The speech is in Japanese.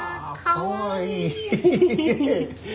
かわいい。